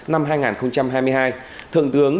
năm hai nghìn hai mươi hai thượng tướng